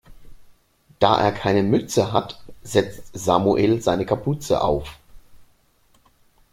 Da er keine Mütze hat, setzt Samuel seine Kapuze auf.